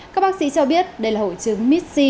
các bác sĩ cho biết đây là hội chứng mis c